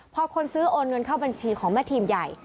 พอคนซื้อโอนเงินเข้าบัญชีของแม่ทีมใหญ่